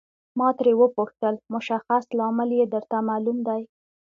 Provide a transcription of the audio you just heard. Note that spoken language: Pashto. ما ترې وپوښتل مشخص لامل یې درته معلوم دی.